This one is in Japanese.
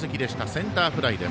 センターフライ。